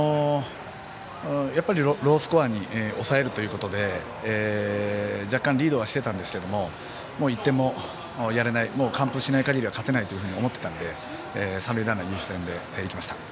やっぱり、ロースコアに抑えるということで若干、リードはしてたんですが１点もやれない完封しない限りは勝てないというふうに思っていたので三塁ランナー優先でいきました。